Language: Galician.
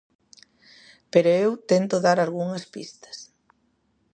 Pero eu tento dar algunhas pistas.